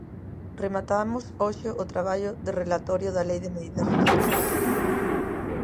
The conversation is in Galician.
Rematamos hoxe o traballo de relatorio da Lei de medidas fiscais.